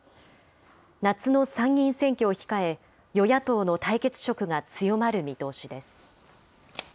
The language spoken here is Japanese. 夏の参議院選挙を控え、与野党の対決色が強まる見通しです。